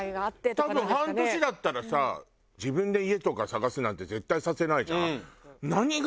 多分半年だったらさ自分で家とか探すなんて絶対させないじゃん。